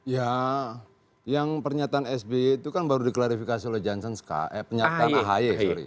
ya yang pernyataan sby itu kan baru diklarifikasi oleh johnson eh pernyataan ahy sorry